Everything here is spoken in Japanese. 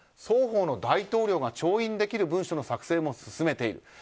双方の大統領が調印できる文書の作成も進めている。